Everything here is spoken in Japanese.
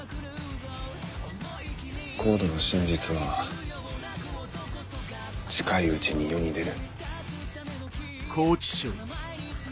ＣＯＤＥの真実は近いうちに世に出る。